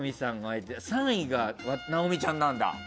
３位が直美ちゃんなんだ。